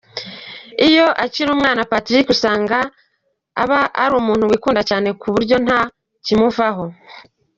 Iyo akiri umwana Patrick usanga aba ari umuntu wikunda cyane ku buryo nta kimuvaho.